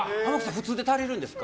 普通で足りるんですか。